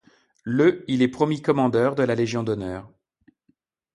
Le il est promu Commandeur de la Légion d'honneur.